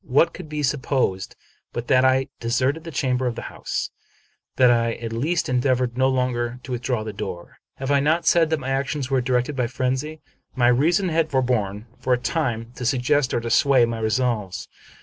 What could be supposed but that I de serted the chamber and the house ? that I at least endeavored no longer to withdraw the door? Have I not said that my actions were dictated by frenzy ? My reason had forborne, for a time, to suggest or to sway my resolves.